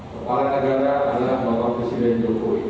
kepala negara adalah bapak presiden jokowi